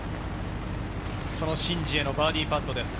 そのシン・ジエのバーディーパットです。